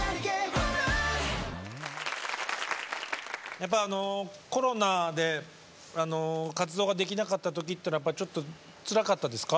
やっぱりコロナで活動ができなかった時というのはちょっとつらかったですか？